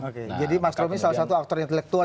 oke jadi mas romy salah satu aktor intelektual